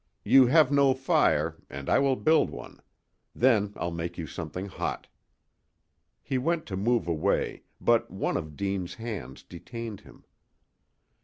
You have no fire, and I will build one. Then I'll make you something hot." He went to move away, but one of Deane's hands detained him.